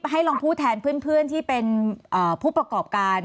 ให้ลองพูดแทนเพื่อนที่เป็นผู้ประกอบการ